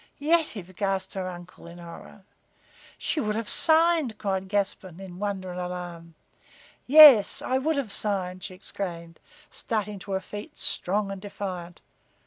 "Yetive!" gasped her uncle, in horror. "She would have signed," cried Gaspon, in wonder and alarm. "Yes, I would have signed!" she exclaimed, starting to her feet, strong and defiant.